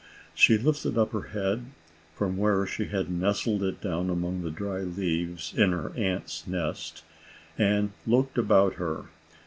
She lifted up her head, from where she had nestled it down among the dried leaves in her aunt's nest, and looked about her.